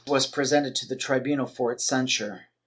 was presented to the tribunal for its censure.